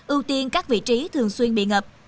ưu tiên các vị trí thường xuyên bị ngập